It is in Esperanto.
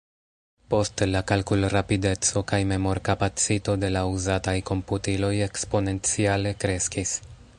Poste la kalkulrapideco kaj memorkapacito de la uzataj komputiloj eksponenciale kreskis.